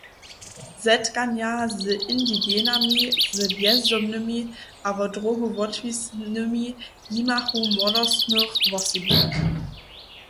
Zetkanja z Indigenami, z bjezdomnymi a wot drogow wotwisnymi jimachu młodostnych wosebje.